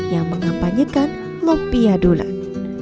yang mengampanyakan lompiadulan